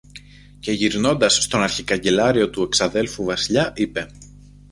Και γυρνώντας στον αρχικαγκελάριο του εξαδέλφου Βασιλιά είπε